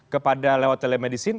kepada lewat telemedicine